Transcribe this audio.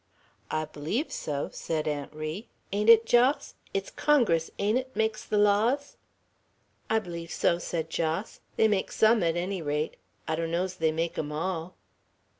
"I bleeve so!" said Aunt Ri, "Ain't it, Jos? It's Congress ain't 't, makes the laws?" "I bleeve so." said Jos. "They make some, at any rate. I donno's they make 'em all."